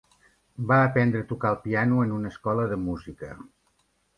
Va aprendre a tocar el piano en una escola de música.